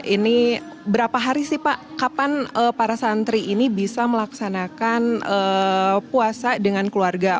ini berapa hari sih pak kapan para santri ini bisa melaksanakan puasa dengan keluarga